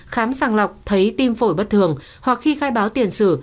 khám sàng lọc thấy tim phổi bất thường hoặc khi khai báo tiền sử